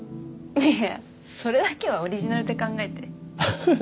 いやそれだけはオリジナルで考えてはははっ